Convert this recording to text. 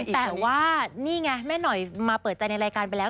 แต่ว่านี่ไงแม่หน่อยมาเปิดใจในรายการไปแล้ว